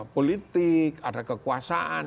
politik ada kekuasaan